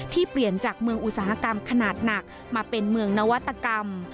เปลี่ยนจากเมืองอุตสาหกรรมขนาดหนักมาเป็นเมืองนวัตกรรม